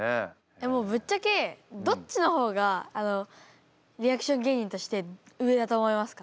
ぶっちゃけどっちの方がリアクション芸人として上だと思いますか？